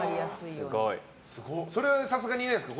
それは、さすがにいないですか。